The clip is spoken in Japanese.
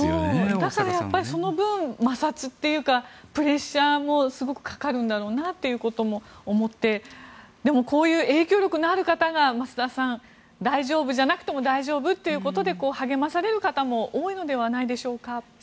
だから、その分摩擦というかプレッシャーもすごくかかるんだろうなとも思ってでも、こういう影響力のある方が増田さん大丈夫じゃなくても大丈夫ということで励まされる方も多いのではないでしょうか。